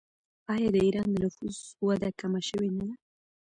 آیا د ایران د نفوس وده کمه شوې نه ده؟